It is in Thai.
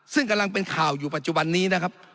ซึ่งกำลังเป็นข่าวอยู่ปัจจุบันนี้นะครับ